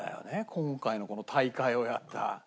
今回のこの大会をやった。